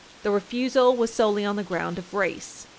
The refusal was solely on the ground of race.